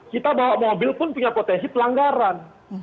kita bawa mobil pun punya potensi pelanggaran